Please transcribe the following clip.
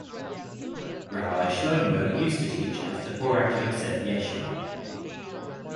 Rabbi Shlomo used to teach at the Porat Yosef Yeshiva.